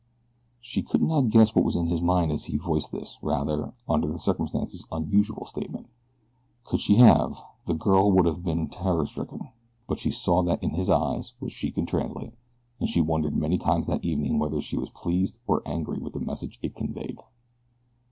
She could not guess what was in his mind as he voiced this rather, under the circumstances, unusual statement. Could she have, the girl would have been terror stricken; but she saw that in his eyes which she could translate, and she wondered many times that evening whether she were pleased or angry with the message it conveyed.